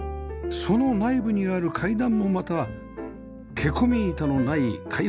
その内部にある階段もまた蹴込み板のない開放的な造り